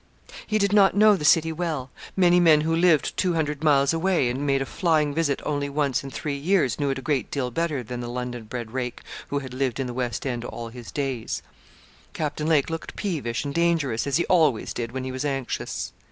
He did not know the City well. Many men who lived two hundred miles away, and made a flying visit only once in three years, knew it a great deal better than the London bred rake who had lived in the West end all his days. Captain Lake looked peevish and dangerous, as he always did, when he was anxious.